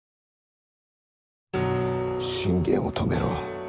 信玄を止めろ。